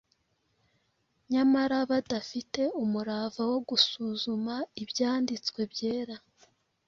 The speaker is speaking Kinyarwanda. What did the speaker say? nyamara badafite umurava wo gusuzuma Ibyanditswe Byera